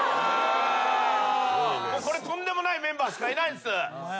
これとんでもないメンバーしかいないんです。